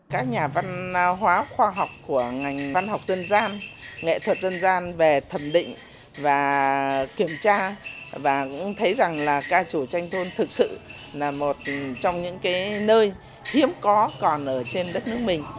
các nhà văn hóa khoa học của ngành văn học dân gian nghệ thuật dân gian về thẩm định và kiểm tra và cũng thấy rằng là ca trù tranh thôn thực sự là một trong những nơi hiếm có còn ở trên đất nước mình